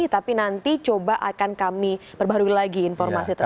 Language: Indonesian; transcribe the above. tapi nanti coba akan kami perbaharui lagi informasi tersebut